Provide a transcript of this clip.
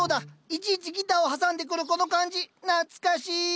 いちいちギターを挟んでくるこの感じ懐かしい。